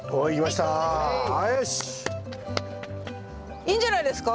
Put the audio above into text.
いいんじゃないですか？